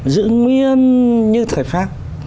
giữ nguyên như thời pháp